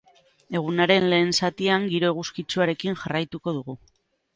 Egunaren lehen zatian giro eguzkitsuarekin jarraituko dugu.